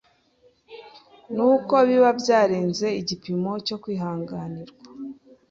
ni uko biba byarenze igipimo cyo kwihanganirwa